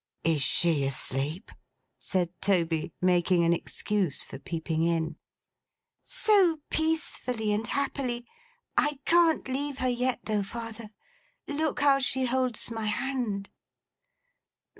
'Is she asleep?' said Toby, making an excuse for peeping in. 'So peacefully and happily! I can't leave her yet though, father. Look how she holds my hand!